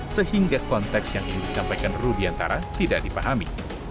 sehingga konteks yang ingin disampaikan rudiantara tidak dipahami